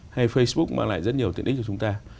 hay facebook mang lại rất nhiều tiện ích cho chúng ta